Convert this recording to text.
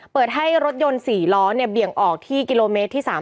เปิดให้รถยนต์๔ล้อเนี่ยเบียงออกที่กม๓๖